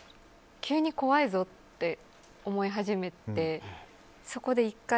急に怖いぞって思い始めてそこで１回。